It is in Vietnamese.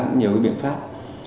cũng nhiều cái biện pháp